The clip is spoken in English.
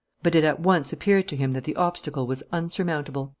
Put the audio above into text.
But it at once appeared to him that the obstacle was unsurmountable.